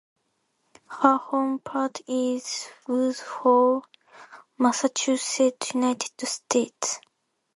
Her home port is Woods Hole, Massachusetts, United States.